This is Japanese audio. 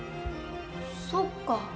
そっか。